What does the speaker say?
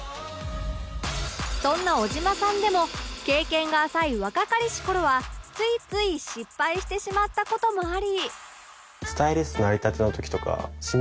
そんな小島さんでも経験が浅い若かりし頃はついつい失敗してしまった事もあり